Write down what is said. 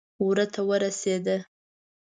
وره ته ورسېده.